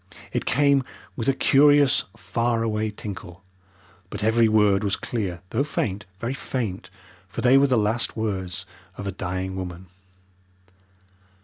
It came with a curious faraway tinkle, but every word was clear, though faint very faint, for they were the last words of a dying woman.